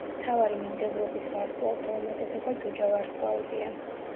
მთავარი მიმდევრობის ვარსკვლავთა უმეტესობა ჯუჯა ვარსკვლავებია.